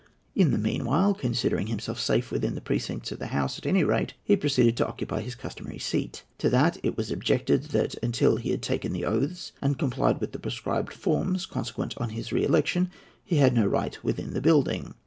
In the meanwhile, considering himself safe within the precincts of the House at any rate, he proceeded to occupy his customary seat. To that it was objected that, until he had taken the oaths and complied with the prescribed forms consequent on his re election, he had no right within the building.